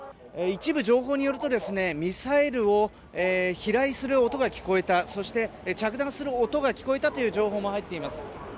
一部情報によるとミサイルが飛来する音が聞こえたそして、着弾する音が聞こえたという情報も入っています。